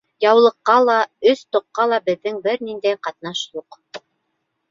Яулыҡҡа ла, өс тоҡҡа ла беҙҙең бер ниндәй ҡатнаш юҡ.